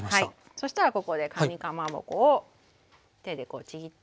そしたらここでかにかまぼこを手でこうちぎって入れますね。